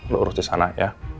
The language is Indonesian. lo urus disana ya